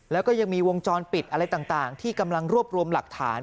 แล้วก็ยังมีวงจรปิดอะไรต่างที่กำลังรวบรวมหลักฐาน